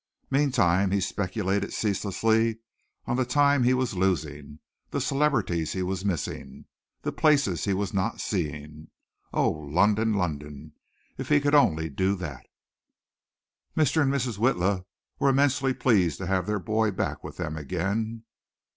Meantime he speculated ceaselessly on the time he was losing, the celebrities he was missing, the places he was not seeing. Oh, London, London! If he could only do that. Mr. and Mrs. Witla were immensely pleased to have their boy back with them again.